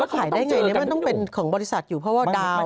มันต้องขายได้อย่างไรมันต้องเป็นของบริษัทอยู่เพราะว่าดาวน์